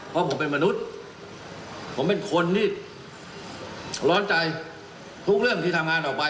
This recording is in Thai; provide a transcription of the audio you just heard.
เพราะผมเป็นมนุษย์ผมเป็นคนที่ร้อนใจทุกเรื่องที่ทำงานออกไป